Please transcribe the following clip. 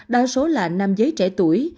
đa số là nam giấy trẻ tuổi